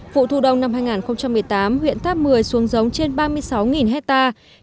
vụ thu đông năm hai nghìn một mươi tám huyện tháp một mươi xuống giống trên ba mươi sáu hectare